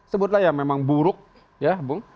sebutlah ya memang buruk ya bung